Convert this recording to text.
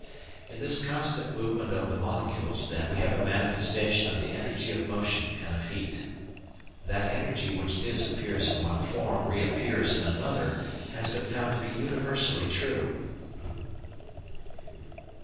In this constant movement of the molecules, then, we have a manifestation of the energy of motion and of heat. That energy which disappears in one form reappears in another has been found to be universally true.